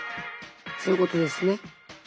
そういうことですね。